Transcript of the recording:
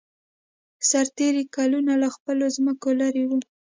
سرتېري کلونه له خپلو ځمکو لېرې وو.